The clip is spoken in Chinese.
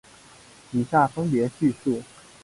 以下分别叙述。